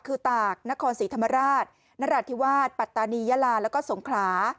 คือตากนครศรีธรรมราชนราธิวาสปัตตานียาลาแล้วก็สงขลา